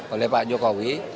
oleh pak jokowi